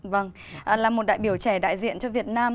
vâng là một đại biểu trẻ đại diện cho việt nam